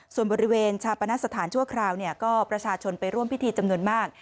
ส่วนบริเวณชาปนสถานชั่วคราวก็ประชาชนไปร่วมพิธีจำนวนมาก